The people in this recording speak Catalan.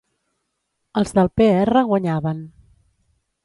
Els del Pe Erra guanyaven.